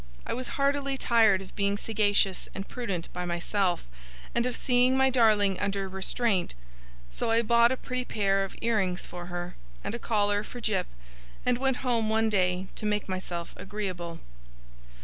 I was heartily tired of being sagacious and prudent by myself, and of seeing my darling under restraint; so I bought a pretty pair of ear rings for her, and a collar for Jip, and went home one day to make myself agreeable.